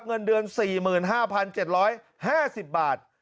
เงินเดือน๔๕๗๕๐บาท